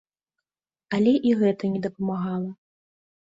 Але і гэта не дапамагала.